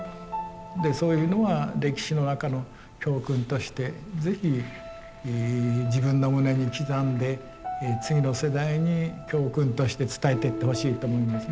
でそういうのは歴史の中の教訓として是非自分の胸に刻んで次の世代に教訓として伝えていってほしいと思いますね。